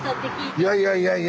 いやいやいやいや。